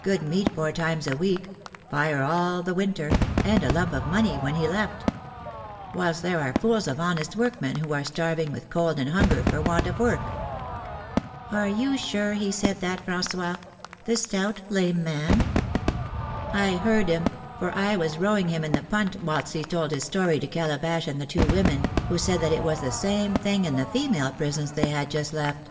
Good meat four times a week, fire all the winter, and a lump of money when he left it; whilst there are fools of honest workmen who are starving with cold and hunger, for want of work." "Are you sure he said that, François, the stout lame man?" "I heard him, for I was rowing him in the punt whilst he told his story to Calabash and the two women, who said that it was the same thing in the female prisons they had just left."